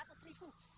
nggak peduli yang